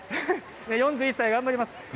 ４１歳、頑張ります。